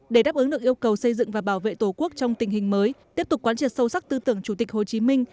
để đáp ứng được yêu cầu xây dựng và bảo vệ tổ quốc trong tình hình mới tiếp tục quán triệt sâu sắc tư tưởng chủ tịch hồ chí minh